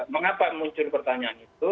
mengapa muncul pertanyaan itu